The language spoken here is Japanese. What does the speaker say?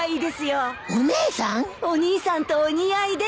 お兄さんとお似合いです。